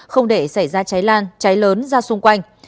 không để xảy ra cháy lan cháy lớn ra xung quanh